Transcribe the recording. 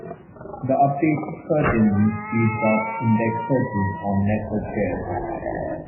The updated search engine speeds up indexed searches on network shares.